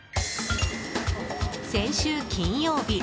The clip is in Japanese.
先週、金曜日。